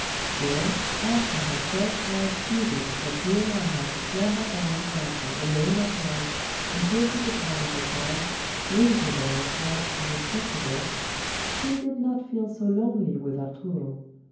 Still, after her first wild pleadings that he allow her to clamber down the mountain alone at night until she could find a hotel, reasonable in price and respectable, she did not feel so lonely with Arturo.